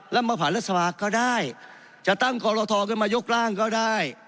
แล้วมาผ่านรัฐสภาก็ได้จะตั้งคอรทอขึ้นมายกร่างก็ได้